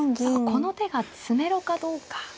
この手が詰めろかどうか。